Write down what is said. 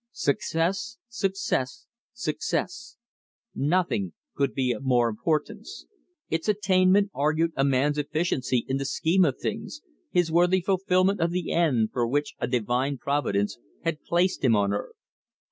Success, success, success. Nothing could be of more importance. Its attainment argued a man's efficiency in the Scheme of Things, his worthy fulfillment of the end for which a divine Providence had placed him on earth.